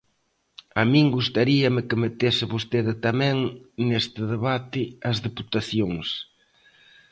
A min gustaríame que metese vostede tamén neste debate as deputacións.